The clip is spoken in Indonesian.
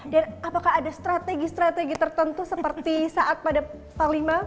apakah ada strategi strategi tertentu seperti saat pada panglima